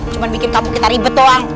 cuman mikir kampung kita ribet doang